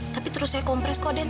tapi terus saya kompres kok den